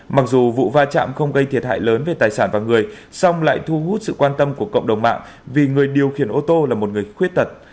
mặc dù vụ va chạm không gây thiệt hại lớn về tài sản và người song lại thu hút sự quan tâm của cộng đồng mạng vì người điều khiển ô tô là một người khuyết tật